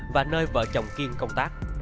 và nơi vợ chồng kiên công tác